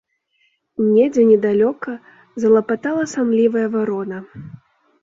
Недзе недалёка залапатала санлівая варона.